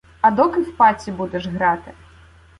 А доки в паці будеш грати?